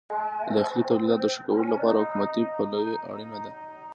د داخلي تولیداتو د ښه کولو لپاره حکومتي پلوي اړینه ده.